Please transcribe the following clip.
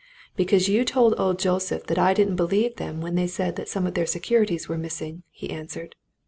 "Because you told Joseph that I didn't believe them when they said that some of their securities were missing," he answered.